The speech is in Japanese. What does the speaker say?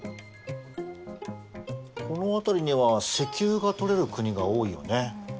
この辺りには石油がとれる国が多いよね。